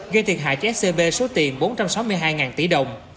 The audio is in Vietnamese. gây thiệt hại cho scb số tiền bốn trăm sáu mươi hai tỷ đồng